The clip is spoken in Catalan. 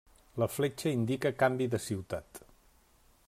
La fletxa indica canvi de ciutat.